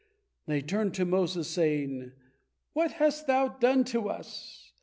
They turned to Moses, saying: "What has thou done to us?